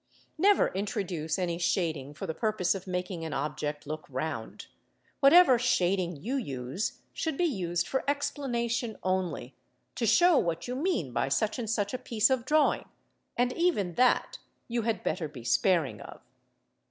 Never introduce any shading for the purpose of making an object look round; whatever shading you use should be used for explanation only, to show what you mean by such and such a piece of drawing; and even that you had better be sparing of.